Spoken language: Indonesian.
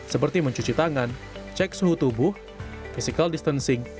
seperti mencuci tangan cek suhu tubuh physical distancing